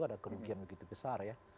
ada kerugian begitu besar ya